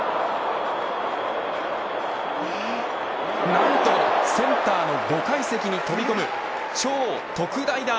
何とセンターの５階席に飛び込む超特大弾。